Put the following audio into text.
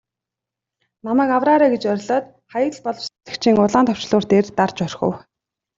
Намайг авраарай гэж орилоод Хаягдал боловсруулагчийн улаан товчлуур дээр дарж орхив.